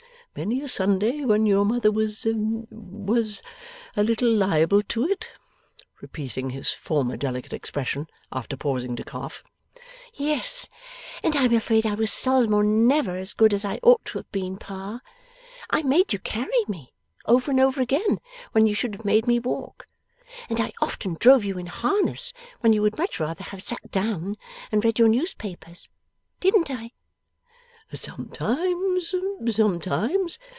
Many a Sunday when your mother was was a little liable to it,' repeating his former delicate expression after pausing to cough. 'Yes, and I am afraid I was seldom or never as good as I ought to have been, Pa. I made you carry me, over and over again, when you should have made me walk; and I often drove you in harness, when you would much rather have sat down and read your news paper: didn't I?' 'Sometimes, sometimes.